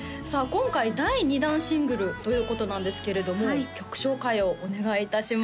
今回第２弾シングルということなんですけれども曲紹介をお願いいたします